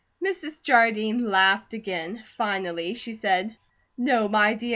Mrs. Jardine laughed again. Finally she said: "No, my dear.